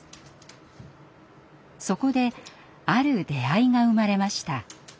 そこである出会いが生まれました。